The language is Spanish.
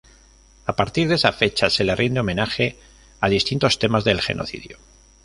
A partir de esa fecha se le rinde homenaje a distintos temas del genocidio.